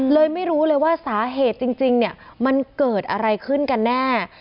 ไม่รู้เลยว่าสาเหตุจริงเนี่ยมันเกิดอะไรขึ้นกันแน่